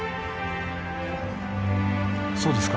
そうですか。